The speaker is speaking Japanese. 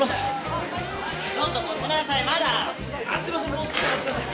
もう少しお待ちください。